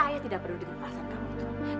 saya tidak perlu dengar ulasan kamu itu